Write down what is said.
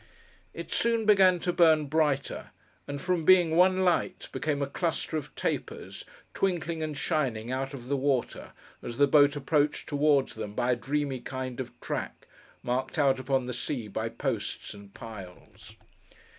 It soon began to burn brighter; and from being one light became a cluster of tapers, twinkling and shining out of the water, as the boat approached towards them by a dreamy kind of track, marked out upon the sea by posts and piles.